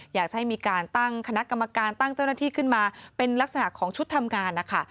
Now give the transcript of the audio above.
อยากให้มีการตั้งคณะกรรมการตั้งเจ้าหน้าที่ขึ้นมาเป็นลักษณะของชุดทำงานนะคะ